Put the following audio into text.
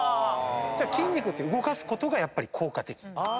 筋肉って動かすことがやっぱり効果的。